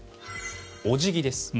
お辞儀です。